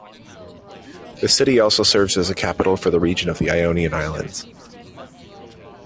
The city also serves as a capital for the region of the Ionian Islands.